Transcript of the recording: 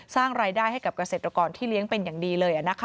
สร้างรายได้ให้กับเกษตรกรที่เลี้ยงเป็นอย่างดีเลย